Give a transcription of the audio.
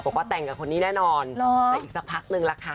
บอกว่าแต่งกับคนนี้แน่นอนแต่อีกสักพักนึงล่ะค่ะ